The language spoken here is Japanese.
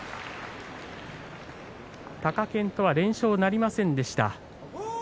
貴健斗は連勝なりませんでした。